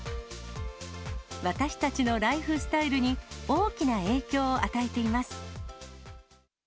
私たちのライフスタイルに、大きな影響を与えています。